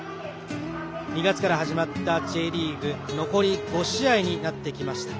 ２月から始まったＪリーグ残り５試合になってきました。